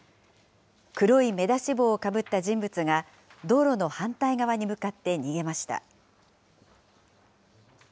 黒い目出し帽をかぶった人物が、道路の反対側に向かって逃げました。